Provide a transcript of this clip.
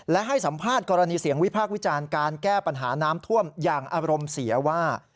และให้สัมภาษณ์กรณีเสียงวิพากษ์วิจารณ์การแก้ปัญหาน้ำท่วมอย่างอารมณ์เสียว่า